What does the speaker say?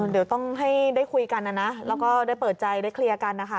เดี๋ยวต้องให้ได้คุยกันนะนะแล้วก็ได้เปิดใจได้เคลียร์กันนะคะ